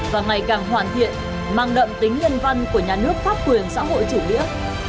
và ngày càng hoàn thiện mang đậm tính nhân văn của nhà nước pháp quyền xã hội chủ nghĩa